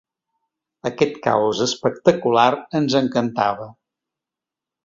Aquest caos espectacular ens encantava.